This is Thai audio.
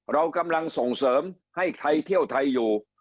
เรากำลังส่งเสริมให้ใครเที่ยวไทยอยู่